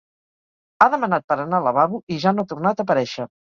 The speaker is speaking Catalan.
Ha demanat per anar al lavabo i ja no ha tornat a aparèixer.